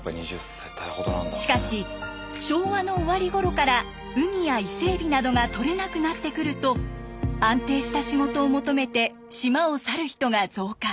しかし昭和の終わりごろからウニやイセエビなどが取れなくなってくると安定した仕事を求めて島を去る人が増加。